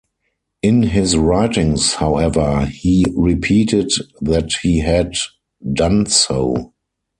In his writings, however, he repeated that he had done so.